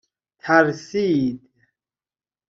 ترسید